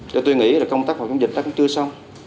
tôi nghĩ là công tác phòng chống dịch đã chưa xong